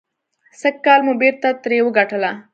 سږکال مو بېرته ترې وګټله.